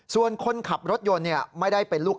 ส่วนคนขับรถยนต์ไม่ได้เป็นลูก